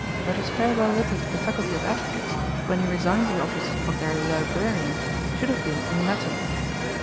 But his farewell letter to the Faculty of Advocates, when he resigned the office of their Librarian, should have been in Latin.'